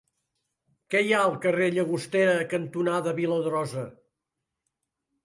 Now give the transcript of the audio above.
Què hi ha al carrer Llagostera cantonada Viladrosa?